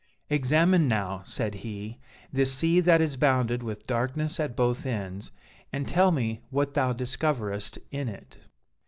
"'Examine now,' said he, 'this sea that is bounded with darkness at both ends, and tell me what thou discoverest in it.'